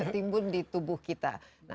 timbun di tubuh kita